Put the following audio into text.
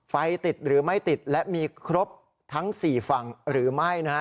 ไฟติดหรือไม่ติดและมีครบทั้ง๔ฝั่งหรือไม่นะฮะ